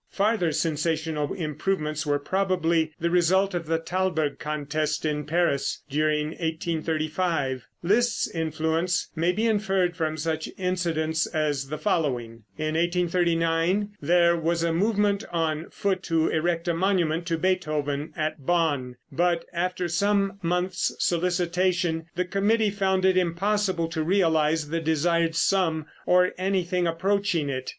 Farther sensational improvements were probably the result of the Thalberg contest in Paris during 1835. Liszt's influence may be inferred from such incidents as the following: In 1839 there was a movement on foot to erect a monument to Beethoven at Bonn, but after some months' solicitation the committee found it impossible to realize the desired sum, or anything approaching it.